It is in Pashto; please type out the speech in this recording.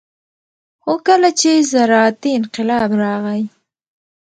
خو کله چې زراعتي انقلاب راغى